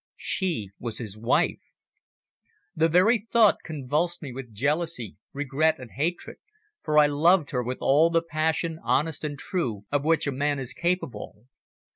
She was his wife! The very thought convulsed me with jealousy, regret and hatred, for I loved her with all the passion, honest and true, of which a man is capable.